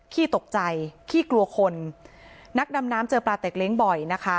ขี้ตกใจขี้กลัวคนนักดำน้ำเจอปลาเต็กเล้งบ่อยนะคะ